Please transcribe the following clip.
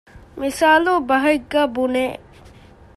މިސާލުބަހެއްގައި ބުނެ